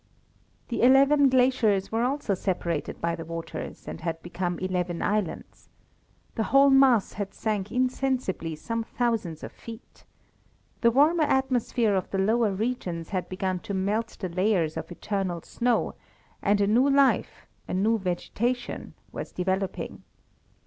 The eleven glaciers were also separated by the waters, and had become eleven islands. The whole mass had sank insensibly some thousands of feet. The warmer atmosphere of the lower regions had begun to melt the layers of eternal snow, and a new life a new vegetation was developing.